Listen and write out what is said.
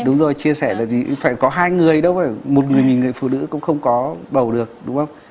đúng rồi chia sẻ là phải có hai người đâu phải phải một người mình người phụ nữ cũng không có bầu được đúng không